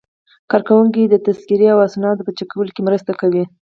کارکوونکي د تذکرې او اسنادو په چک کولو کې مرسته کوي.